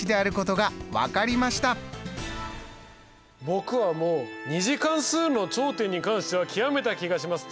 僕はもう２次関数の頂点に関しては極めた気がします。